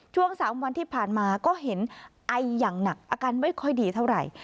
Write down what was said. ช่วง๓วันที่ผ่านมาก็เห็นไออย่างหนักอาการไม่ค่อยดีเท่าไหร่